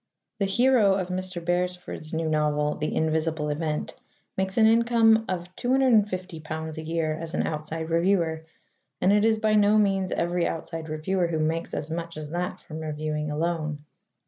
The hero of Mr. Beresford's new novel, The Invisible Event, makes an income of £250 a year as an outside reviewer, and it is by no means every outside reviewer who makes as much as that from reviewing alone.